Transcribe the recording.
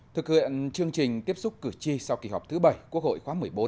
thực hiện chương trình tiếp xúc cử tri sau kỳ họp thứ bảy quốc hội khóa một mươi bốn